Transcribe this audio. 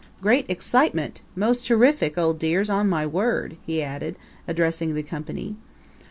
"Great excitement! Most terrific, old dears on my word!" he added, addressing the company.